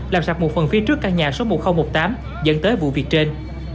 làm sập một phần phía trước căn nhà số một nghìn một mươi tám dẫn tới vụ việc trên